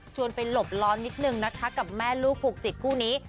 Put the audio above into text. ชวนไปหลบร้อนนิดหนึ่งนัดทักกับแม่ลูกผูกจิตคู่นี้